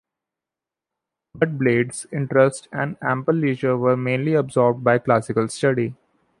But Blaydes' interest and ample leisure were mainly absorbed by classical study.